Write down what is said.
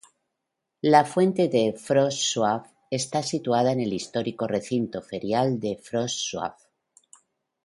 La Fuente de Wrocław está situada en el histórico recinto ferial Wrocław.